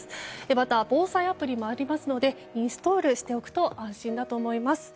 また、防災アプリもありますのでインストールしておくと安心だと思います。